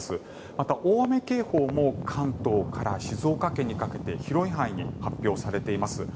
また、大雨警報も関東から静岡県にかけて広い範囲に発表されています。